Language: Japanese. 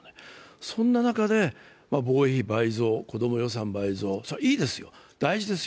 そんな中で防衛費倍増、子供予算倍増、それはいいですよ、大事ですよ。